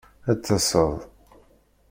Ad d-taseḍ?